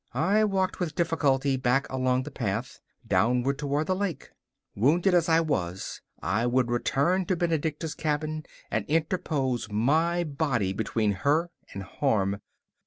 I walked with difficulty back along the path, downward toward the lake. Wounded as I was, I would return to Benedicta's cabin and interpose my body between her and harm.